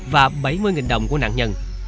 và bảy mươi đồng của nạn nhân